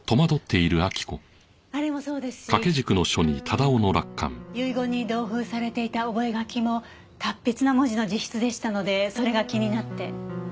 あれもそうですし遺言に同封されていた覚書も達筆な文字の自筆でしたのでそれが気になって。